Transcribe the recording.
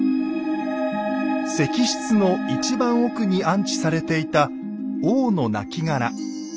石室の一番奥に安置されていた王のなきがら。